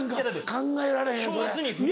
考えられへんそれ。